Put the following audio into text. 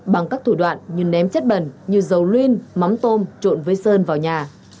bằng các thủ đoạn như ném chất bẩn như dầu luyên mắm tôm trộn với sơn vào nhà